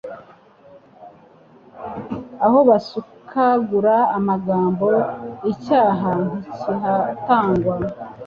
Aho basukagura amagambo icyaha ntikihatangwa